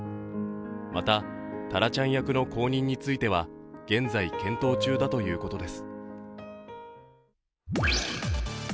また、タラちゃん役の後任については現在検討中だということです。